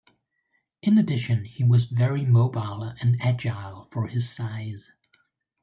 In addition, he was very mobile and agile for his size.